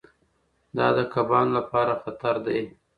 دا د کبانو لپاره خطر دی.